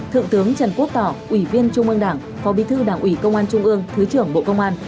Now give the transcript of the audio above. thượng tướng trần quốc tỏ ủy viên trung ương đảng phó bí thư đảng ủy công an trung ương thứ trưởng bộ công an